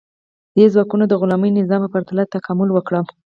دې ځواکونو د غلامي نظام په پرتله تکامل وکړ.